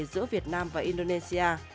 giữa việt nam và indonesia